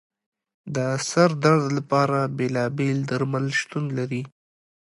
د سر درد لپاره بېلابېل درمل شتون لري.